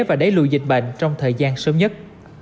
và đẩy lùi dịch bệnh trong thời gian sớm nhất